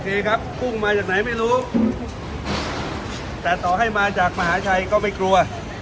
ครับพุ่งมาจากไหนไม่รู้แต่ต่อให้มาจากมหาชัยก็ไม่กลัว